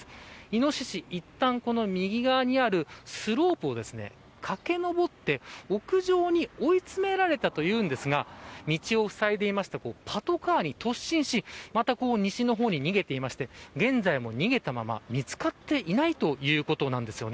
イノシシはいったん右側にあるスロープを駆け上って屋上に追い詰められたというんですが道をふさいでいたパトカーに突進し西の方に逃げていて現在も逃げたまま見つかっていないということです。